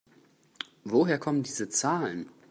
Woher kommen diese Zahlen?